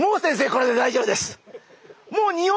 これで大丈夫です。